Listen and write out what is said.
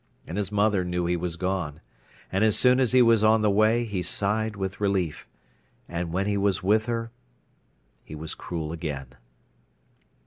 And his mother knew he was gone. And as soon as he was on the way he sighed with relief. And when he was with her he was cruel again.